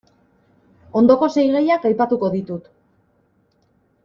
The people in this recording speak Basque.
Ondoko sei gaiak aipatuko ditut.